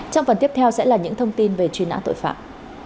trong phần tiếp theo sẽ là những thông tin về truy nã tội phạm